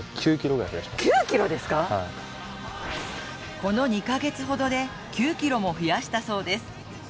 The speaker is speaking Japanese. この２か月ほどで、９ｋｇも増やしたそうです。